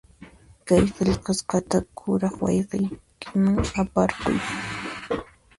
Kay qillqasqata kuraq wayqiykiman aparquy.